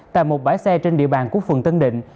tại một bãi xe trên địa bàn của phường tân định